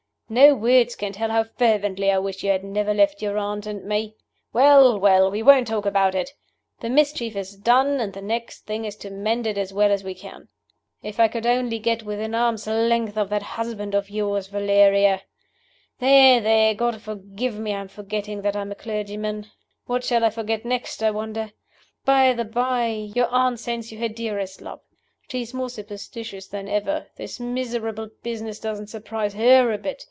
"No words can tell how fervently I wish you had never left your aunt and me. Well! well! we won't talk about it. The mischief is done, and the next thing is to mend it as well as we can. If I could only get within arm's length of that husband of yours, Valeria There! there! God forgive me, I am forgetting that I am a clergyman. What shall I forget next, I wonder? By the by, your aunt sends you her dearest love. She is more superstitious than ever. This miserable business doesn't surprise her a bit.